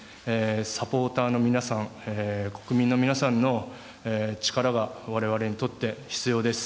サポーターの皆さん国民の皆さんの力が我々にとって必要です。